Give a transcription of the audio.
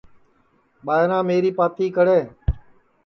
ٻائیراں میری پاتی کڑے